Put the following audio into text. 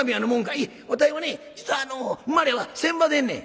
「いえわたいはね実はあの生まれは船場でんねん」。